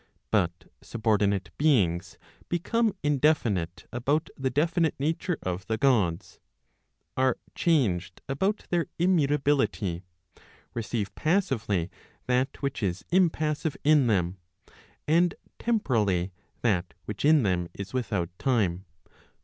But subordinate beings become indefi¬ nite about the definite nature of the Gods, are changed about their immutability, receive passively that which is impassive in them, and temporally that which in them is without time.